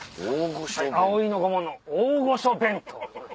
葵の御紋の大御所弁当！